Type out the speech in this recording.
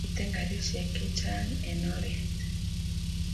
Miten karishek che chang en oret